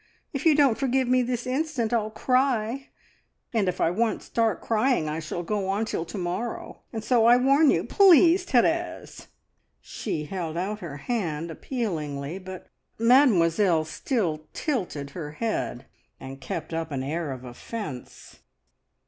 If you don't forgive me this instant, I'll cry, and if I once start crying, I shall go on till to morrow, and so I warn you! Please, Therese!" She held out her hand appealingly, but Mademoiselle still tilted her head, and kept up an air of offence.